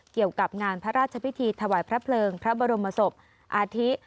เกี่ยวกับงานพระราชพิธีถวายพระเพลิงพระบรมศพอาทิ